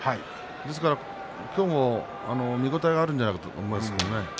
ですから今日も見応えがあるんじゃないかと思いますね。